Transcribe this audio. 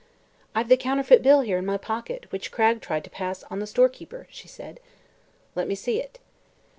"I've the counterfeit bill here in my pocket, which Cragg tried to pass on the storekeeper," she said. "Let me see it."